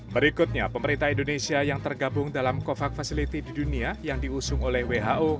berikutnya pemerintah indonesia yang tergabung dalam covax facility di dunia yang diusung oleh who